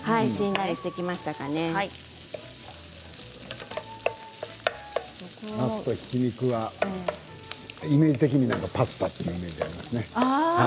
なすとひき肉はイメージ的にパスタというイメージがありますね。